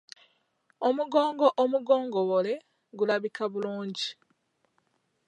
Omugogo omugogombole gulabika bulungi.